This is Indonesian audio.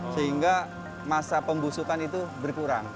sehingga masa pembusukan itu berkurang